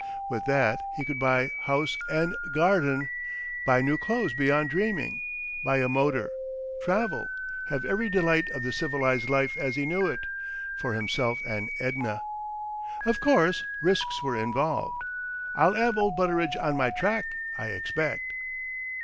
With that he could buy house and garden, buy new clothes beyond dreaming, buy a motor, travel, have every delight of the civilised life as he knew it, for himself and Edna. Of course, risks were involved. "I'll 'ave old Butteridge on my track, I expect!"